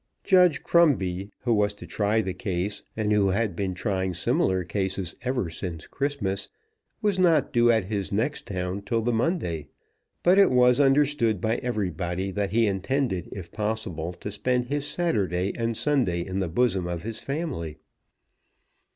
Judge Crumbie, who was to try the case, and who had been trying similar cases ever since Christmas, was not due at his next town till the Monday; but it was understood by everybody that he intended if possible to spend his Saturday and Sunday in the bosom of his family.